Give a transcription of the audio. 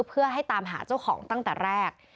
เพื่อให้ตามหาเจ้าของตั้งแต่แรก